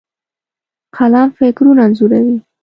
قلم فکرونه انځوروي.